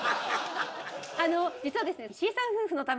あの実はですね。